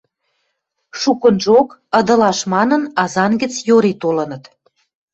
Шукынжок, ыдылаш манын, Азан гӹц йори толыныт.